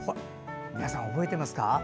皆さん、覚えてますか？